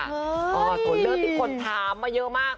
โสดเลิกที่คนถามมาเยอะมาก